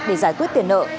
để giải quyết tiền nợ